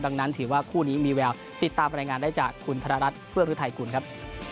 ดังนั้นถือว่าคู่นี้มีแววติดตามบรรยายงานได้จากคุณพระรัชธ์ฟื้องฤทธิ์ไทยกลุ่นครับ